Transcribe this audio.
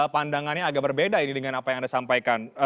pandangannya agak berbeda ini dengan apa yang anda sampaikan